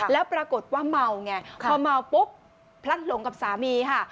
แล้วปรากฏว่าเมาไงพอเมาปุ๊บพลัดหลงกับสามีค่ะ